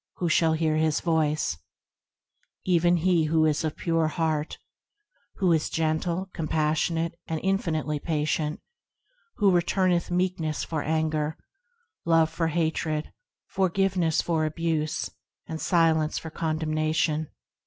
Who shall hear His Voice ? Even he who is of a pure heart ; Who is gentle, compassionate, and infinitely patient; Who returneth meekness for anger, Love for hatred, Forgiveness for abuse, And silence for condemnation.